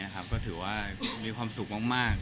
ก็ถือว่ามีความสุขมาก